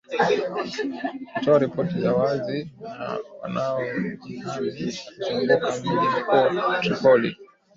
Ikitoa ripoti za waasi wanaojihami kuzunguka mji mkuu Tripoli.